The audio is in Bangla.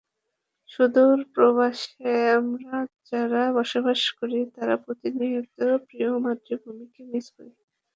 সুদূর প্রবাসে আমরা যারা বসবাস করি, তারা প্রতিনিয়ত প্রিয় মাতৃভূমিকে মিস করি।